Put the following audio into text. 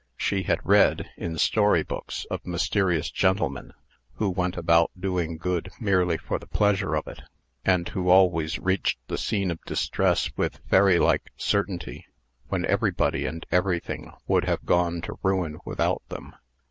She had read, in story books, of mysterious gentlemen who went about doing good merely for the pleasure of it, and who always reached the scene of distress with fairy like certainty, when everybody and everything would have gone to ruin without them.